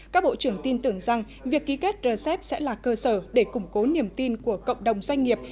các bộ trưởng tin tưởng rằng việc ký kết rcep sẽ là cơ sở để củng cố niềm tin của cộng đồng doanh nghiệp